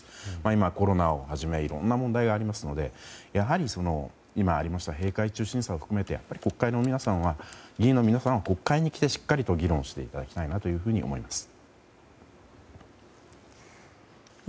今、コロナをはじめいろんな問題がありますので今ありました閉会中審査を含めて議員の皆さんには国会に来てしっかりと議論していただきたいと思います。